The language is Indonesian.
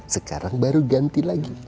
sekarang baru ganti lagi